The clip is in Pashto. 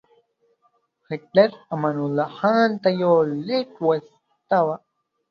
هیټلر امان الله خان ته یو لیک واستاوه.